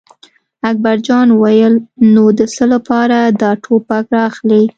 اکبر جان وویل: نو د څه لپاره دا ټوپک را اخلې.